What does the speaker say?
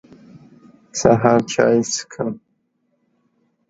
سهار چاي څښم.